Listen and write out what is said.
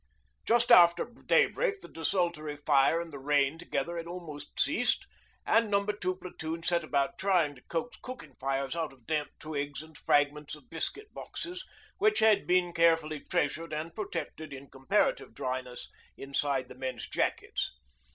Just after daybreak the desultory fire and the rain together had almost ceased, and No. 2 Platoon set about trying to coax cooking fires out of damp twigs and fragments of biscuit boxes which had been carefully treasured and protected in comparative dryness inside the men's jackets.